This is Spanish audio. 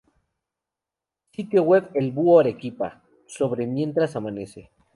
Sitio web El Búho, Arequipa, sobre "Mientras amanece".